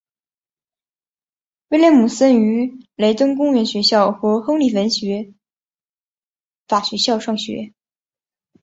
威廉姆森于雷登公园学校和亨利文法学校上学。